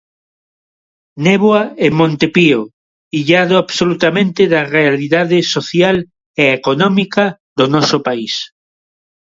Néboa en Monte Pío, illado absolutamente da realidade social e económica do noso país.